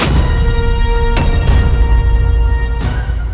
aku yang menjadi penguasa galuh